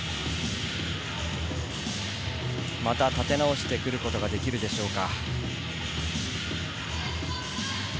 また立て直してくることができるでしょうか。